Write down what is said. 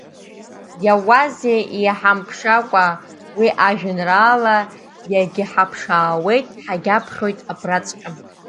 Иауазеи иҳамԥшаакәа уи ажәеинраала, иагьыҳаԥшаауеит, ҳагьаԥхьоит абраҵәҟьа.